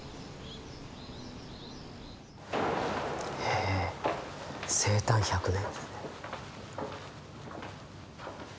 へえ生誕１００年。